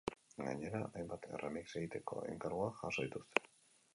Gainera, hainbat erremix egiteko enkarguak jaso dituzte.